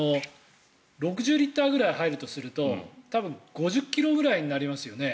６０リッターぐらい入るとすると多分、５０ｋｇくらいになりますよね。